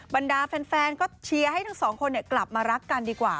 บรรดาแฟนก็เชียร์ให้ทั้งสองคนกลับมารักกันดีกว่า